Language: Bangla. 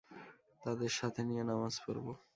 তাদের সাথে নিয়ে নামায পড়ব।